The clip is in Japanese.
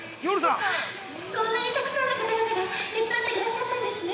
あぁ、こんなにたくさんの方々が手伝ってくださったんですね！